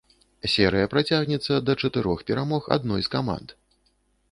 Серыя працягнецца да чатырох перамог адной з каманд.